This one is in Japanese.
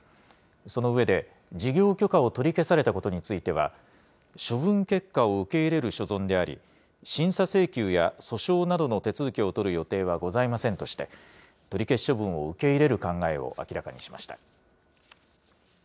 その上で、事業許可を取り消されたことについては、処分結果を受け入れる所存であり、審査請求や訴訟などの手続きを取る予定はございませんとして、取り消し処分を受け入れる考えを明らかにしました。